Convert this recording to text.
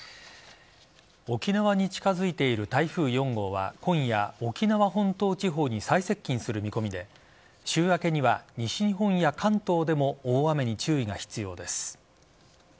沖縄に近づいている台風４号は今夜沖縄本島地方に最接近する見込みで週明けには西日本や関東でも大雨に注意が必要です。